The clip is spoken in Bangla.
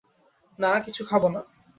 না, কিছু খাব না।